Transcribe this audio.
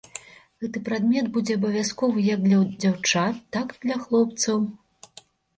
Гэты прадмет будзе абавязковы як для дзяўчат, так і для хлопцаў.